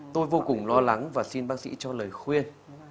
tôi vô cùng lo lắng và xin bác sĩ cho lời khuyên